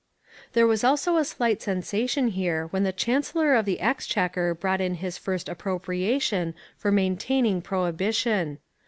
There was also a slight sensation here when the Chancellor of the Exchequer brought in his first appropriation for maintaining prohibition.